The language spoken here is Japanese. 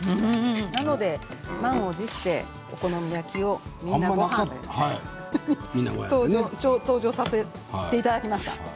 なので満を持してお好み焼きを登場させていただきました。